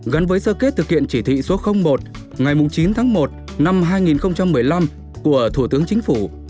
gắn với sơ kết thực hiện chỉ thị số một ngày chín tháng một năm hai nghìn một mươi năm của thủ tướng chính phủ